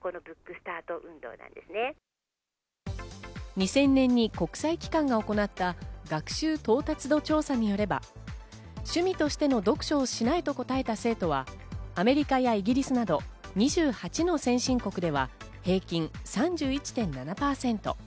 ２０００年に国際機関が行った学習到達度調査によれば、趣味としての読書をしないと答えた生徒はアメリカやイギリスなど２８の先進国では平均３１．７％。